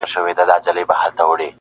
• د مېرمني چي بینا سوې دواړي سترګي -